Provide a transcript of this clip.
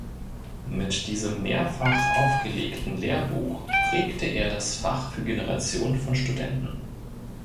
Mit diesem mehrfach aufgelegten Lehrbuch prägte er das Fach für Generationen von Studenten.